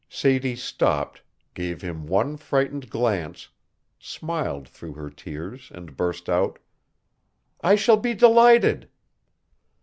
Sadie stopped, gave him one frightened glance, smiled through her tears and burst out: "I shall be delighted."